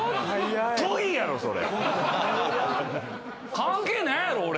関係ないやろ俺！